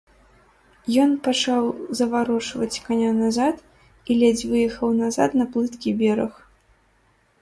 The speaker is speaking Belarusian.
Ён пачаў заварочваць каня назад і ледзь выехаў назад на плыткі бераг.